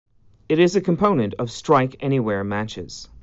It is a component of "strike anywhere" matches.